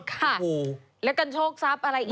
ค่ะแล้วกันโชคทรัพย์อะไรอีก